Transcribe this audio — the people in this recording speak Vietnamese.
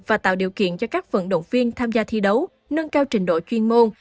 và tạo điều kiện cho các vận động viên tham gia thi đấu nâng cao trình độ chuyên môn